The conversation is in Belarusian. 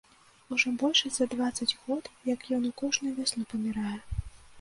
Ужо больш за дваццаць год, як ён у кожную вясну памірае.